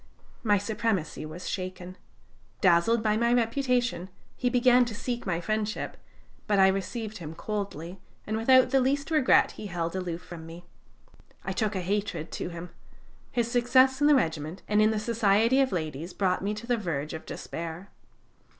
My supremacy was shaken. Dazzled by my reputation, he began to seek my friendship, but I received him coldly, and without the least regret he held aloof from me. I took a hatred to him. His success in the regiment and in the society of ladies brought me to the verge of despair.